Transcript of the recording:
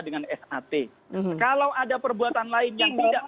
dengan sat kalau ada perbuatan lain yang tidak sedekat dengan sat